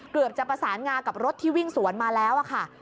เกือบจะประสานงากับรถที่วิ่งสวนมาแล้วค่ะ